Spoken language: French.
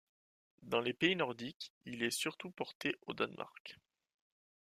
Dans les pays nordiques, il est surtout porté au Danemark.